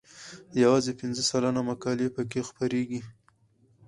یوازې پنځه سلنه مقالې پکې خپریږي.